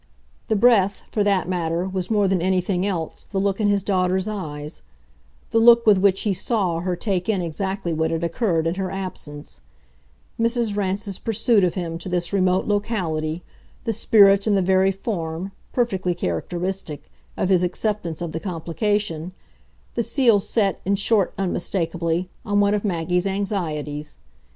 The breath, for that matter, was more than anything else, the look in his daughter's eyes the look with which he SAW her take in exactly what had occurred in her absence: Mrs. Rance's pursuit of him to this remote locality, the spirit and the very form, perfectly characteristic, of his acceptance of the complication the seal set, in short, unmistakably, on one of Maggie's anxieties.